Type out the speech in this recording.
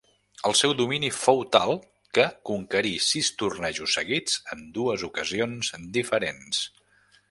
El seu domini fou tal, que conquerí sis tornejos seguits en dues ocasions diferents.